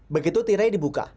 begitu tirai dibuka